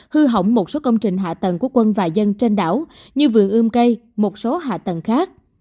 hư hỏng một số công trình hạ tầng của quân và dân trên đảo như vườn ươm cây một số hạ tầng khác